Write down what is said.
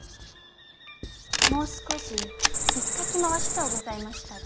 もう少しひっかき回しとうございましたが。